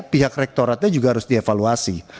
pihak rektoratnya juga harus dievaluasi